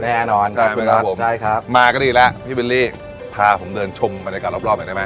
แน่นอนขอบคุณครับผมใช่ครับมาก็ดีแล้วพี่วิลลี่พาผมเดินชมบรรยากาศรอบรอบหน่อยได้ไหม